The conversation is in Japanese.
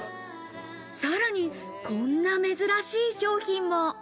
さらにこんな珍しい商品も。